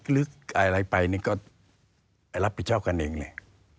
หรืออะไรไปนี่ก็ไปรับผิดชอบกันเองเลย